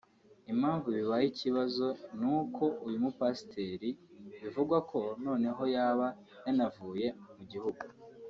Impamvu bibaye ikibazo ni uko uyu mupasiteri bivugwa ko noneho yaba yanavuye mu gihugu